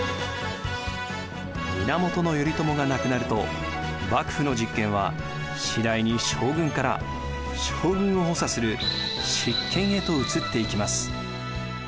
源頼朝が亡くなると幕府の実権は次第に将軍から将軍を補佐する執権へと移っていきます。